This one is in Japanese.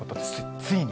ついに。